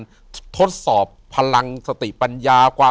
อยู่ที่แม่ศรีวิรัยิลครับ